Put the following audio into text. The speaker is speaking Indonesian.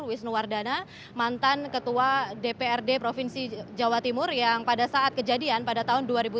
timur wisnu wardana mantan ketua dprd provinsi jawa timur yang pada saat kejadian pada tahun